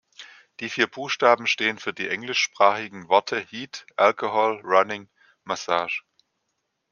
Die vier Buchstaben stehen für die englischsprachigen Worte "heat, alcohol, running, massage".